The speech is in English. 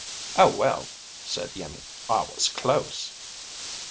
"Oh well," said Iimmi. "I was close."